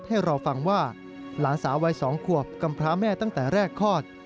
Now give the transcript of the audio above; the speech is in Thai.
ให้รอฟังว่าหลานสาววัย๒ขวบกำพร้าแม่ตั้งแต่แรกคลอด